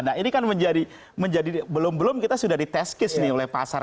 nah ini kan menjadi belum belum kita sudah diteskis oleh pasar